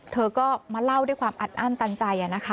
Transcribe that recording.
เธอก็มาเล่าด้วยความอัดอั้นตันใจ